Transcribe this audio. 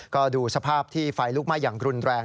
ก็ดูสภาพที่ไฟลุกไหม้อย่างรุนแรง